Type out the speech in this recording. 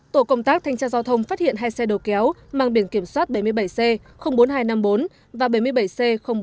tổ công tác thành tra giao thông phát hiện hai xe đầu kéo mang biển kiểm soát bảy mươi bảy c bốn nghìn hai trăm năm mươi bốn và bảy mươi bảy c bốn nghìn sáu trăm tám mươi